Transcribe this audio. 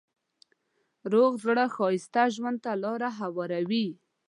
روغ زړه ښایسته ژوند ته لاره هواروي.